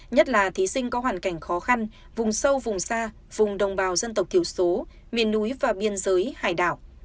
nhất là thí sinh có hoàn cảnh khó khăn vùng sâu vùng xa vùng đồng bào dân tộc thiểu số miền núi và biên giới hải đảo